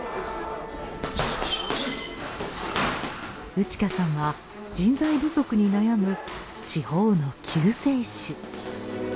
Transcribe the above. ウチカさんは人材不足に悩む地方の救世主。